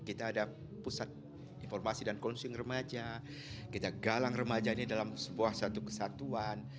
kita ada pusat informasi dan konsum remaja kita galang remaja ini dalam sebuah satu kesatuan